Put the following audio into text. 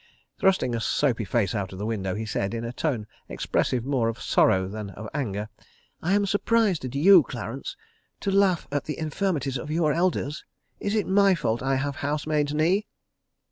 Thrusting a soapy face out of the window, he said, in a tone expressive more of sorrow than of anger: "I am surprised at you, Clarence! ... To laugh at the infirmities of your elders! ... Is it my fault I have housemaid's knee?"